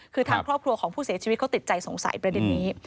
คือทางครอบครัวของผู้เสียชีวิตเขาติดใจสงสัยประเด็นนี้